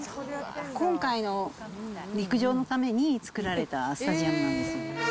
今回の陸上のために、作られたスタジアムなんです。